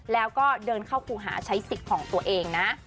แล้วก็เดินเข้าครูหาใช้สิทธิ์ของตัวเองนะ